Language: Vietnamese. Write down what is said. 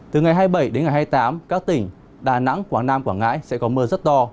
từ ngày hai mươi bảy đến ngày hai mươi tám các tỉnh đà nẵng quảng nam quảng ngãi sẽ có mưa rất to